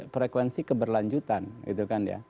frekuensi keberlanjutan gitu kan ya